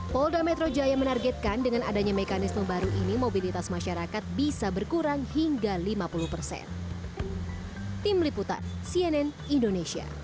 polda metro jaya menargetkan dengan adanya mekanisme baru ini mobilitas masyarakat bisa berkurang hingga lima puluh persen